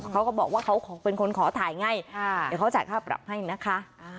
เขาก็บอกว่าเขาเป็นคนขอถ่ายไงเดี๋ยวเขาจ่ายค่าปรับให้นะคะ